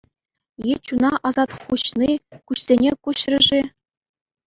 Е чуна асат хуҫни куҫсене куҫрӗ-ши?